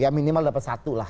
ya minimal dapat satu lah